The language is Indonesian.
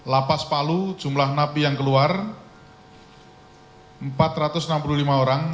lapas palu jumlah napi yang keluar empat ratus enam puluh lima orang